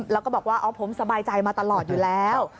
แล้วก็บอกว่าอ๋อผมสบายใจมาตลอดอยู่แล้ว